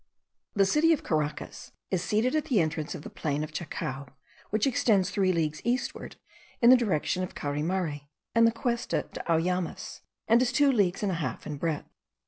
The city of Caracas is seated at the entrance of the plain of Chacao, which extends three leagues eastward, in the direction of Caurimare and the Cuesta de Auyamas, and is two leagues and a half in breadth.